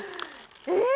えっ？